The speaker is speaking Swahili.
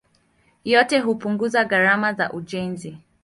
Yote hupunguza gharama za ujenzi.